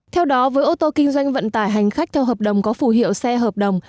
theo đó với ô tô kinh doanh vận tải hành khách theo hợp đồng có phù hiệu xe hợp đồng